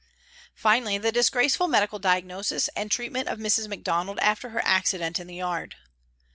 Finally, the disgraceful medical diagnosis and treatment of Mrs. Macdonald after her accident in the yard.